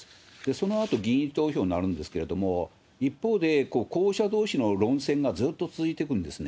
そのあと議員投票になるんですけれども、一方で、候補者どうしの論戦がずっと続いていくんですね。